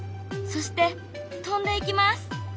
そして飛んでいきます。